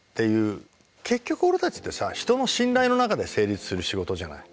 結局俺たちってさ人の信頼の中で成立する仕事じゃない。